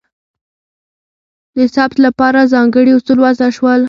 د ثبت لپاره ځانګړي اصول وضع شول.